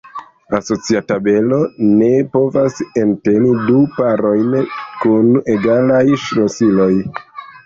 Asocia tabelo ne povas enteni du parojn kun egalaj ŝlosiloj.